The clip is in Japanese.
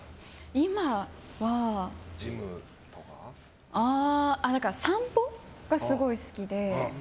今は、散歩がすごい好きで。